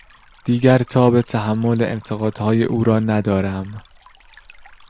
دیگر تاب تحمل انتقادهای او را ندارم.